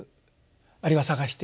あるいは探していく。